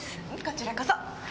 こちらこそ。